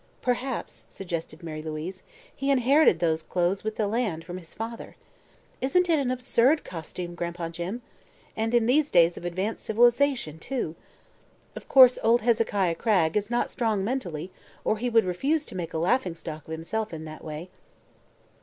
"Perhaps," suggested Mary Louise, "he inherited those clothes with the land, from his father. Isn't it an absurd costume, Gran'pa Jim? And in these days of advanced civilization, too! Of course old Hezekiah Cragg is not strong mentally or he would refuse to make a laughingstock of himself in that way."